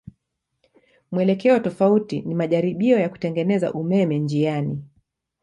Mwelekeo tofauti ni majaribio ya kutengeneza umeme njiani.